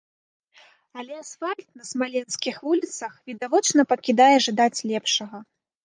Але асфальт на смаленскіх вуліцах відавочна пакідае жадаць лепшага.